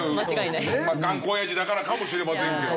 まあ頑固おやじだからかもしれませんけど。